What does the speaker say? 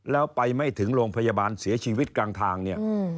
แล้วไปไม่ถึงโรงพยาบาลเสียชีวิตกลางทางเนี่ย